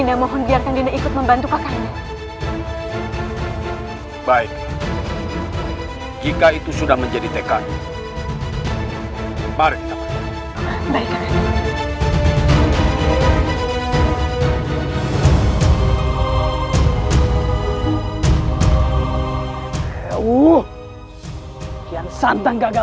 aku tidak mau berurusan dengan wanita